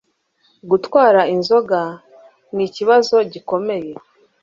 Gutwara inzoga ni ikibazo gikomeye